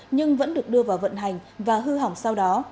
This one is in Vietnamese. nhưng vẫn được đưa vào vận hành và hư hỏng sau đó